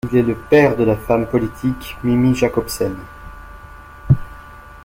Il est le père de la femme politique Mimi Jakobsen.